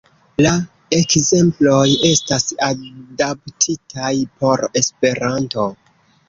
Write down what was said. La ekzemploj estas adaptitaj por Esperanto.